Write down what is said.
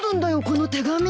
この手紙。